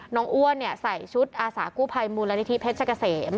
น้องอ้วนเนี่ยใส่ชุดอาสากู้ไพรมูลนิธิเพชรกเสมเนี่ย